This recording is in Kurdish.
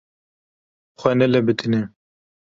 Xwe nelebitîne!